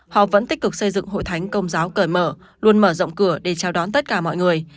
họ vẫn tích cực xây dựng hội thánh công giáo cởi mở luôn mở rộng cửa để chào đón tất cả mọi người